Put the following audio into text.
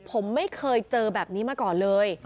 ผมไม่เคยเจอแบบนี้มาก่อนเลย